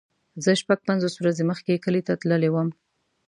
زه شپږ پنځوس ورځې مخکې کلی ته تللی وم.